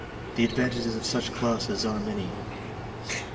The advantages of such classes are many.